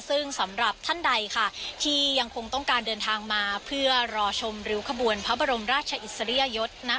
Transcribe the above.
ซึ่งสำหรับท่านใดค่ะที่ยังคงต้องการเดินทางมาเพื่อรอชมริ้วขบวนพระบรมราชอิสริยยศนะ